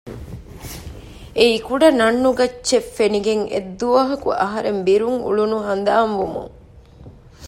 އެއީ ކުޑަ ނަން ނުގައްޗެއް ފެނިގެން އެއްދުވަހަކު އަހަރެން ބިރުން އުޅުނު ހަނދާން ވުމުން